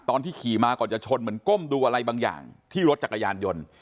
ตอนที่ขี่มาก่อนจะชนเหมือนก้มดูอะไรบางอย่างที่รถจักรยานยนต์